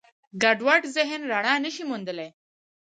ګډوډ ذهن رڼا نهشي موندلی.